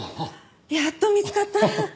やっと見つかった。